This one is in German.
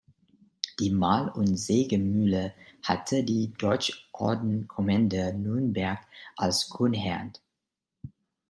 Die Mahl- und Sägemühle hatte die Deutschordenskommende Nürnberg als Grundherrn.